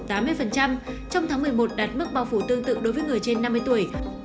trong tháng một mươi một đạt mức bao phủ tương tự đối với người trên năm mươi tuổi